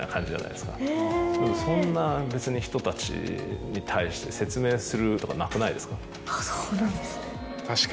でもそんな人たちに対して説明するとかなくないですか。